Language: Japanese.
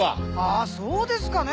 あそうですかね？